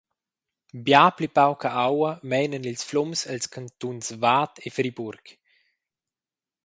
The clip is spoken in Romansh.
Bia pli pauca aua meinan ils flums els cantuns Vad e Friburg.